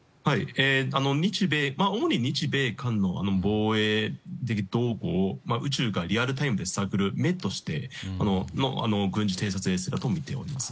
主に日米間の防衛で宇宙からリアルタイムで探る目としての軍事偵察衛星だとみております。